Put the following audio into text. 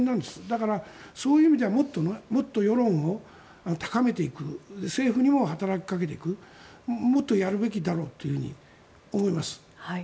だからそういう意味ではもっと世論を高めていく政府にも働きかけていくもっとやるべきだろうというふうに思います。